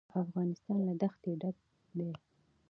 افغانستان له دښتې ډک دی.